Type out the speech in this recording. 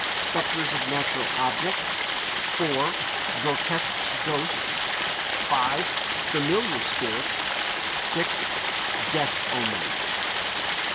Spectres of Natural Objects; 4. Grotesque Ghosts; 5. Familiar Spirits; 6. Death Omens.